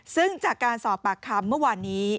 ซึ่งจากการสอบปากคำเมื่อวานนี้